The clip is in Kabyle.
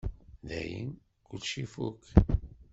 Dayen, kullec ifuk.